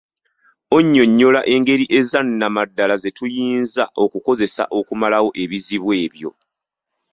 Onnyonnyola engeri ezannamaddala ze tuyinza okukozesa okumalawo ebizibu ebyo.